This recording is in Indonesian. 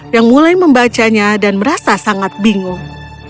yang mulai membacanya dan merasa sangat bingung